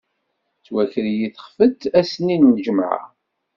Tettwaker-iyi texfet ass-nni n lǧemεa.